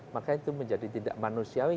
maka itu menjadi tidak manusiawi